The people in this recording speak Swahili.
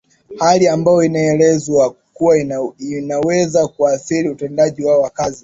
hali ambayo inaelezwa kuwa inaweza kuathiri utendaji wao wa kazi